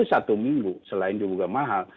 satu minggu selain juga mahal